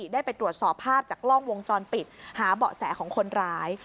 ได้ไปตรวจสอบภาพจากกล้องวงจรปิดหาเบาะแสของคนร้าย